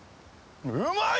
うまい！